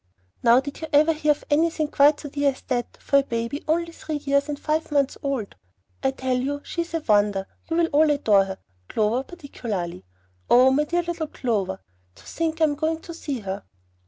Now did you ever hear of anything quite so dear as that, for a baby only three years and five months old? I tell you she is a wonder. You will all adore her, Clover particularly. Oh, my dear little C.! To think I am going to see her!